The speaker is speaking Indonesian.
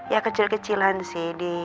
ya kecil kecilan sih